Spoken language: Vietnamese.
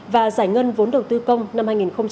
và giải ngân vốn đầu tư công năm hai nghìn hai mươi